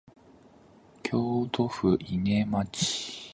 京都府伊根町